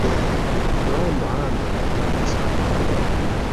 naho umuhanda ni inzira